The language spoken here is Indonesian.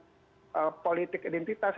dan itu menyebabkan keguguran dari politik identitas